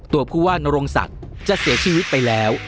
ตัวผู้ว่านโรงศักดิ์จะเสียชีวิตไปแล้ว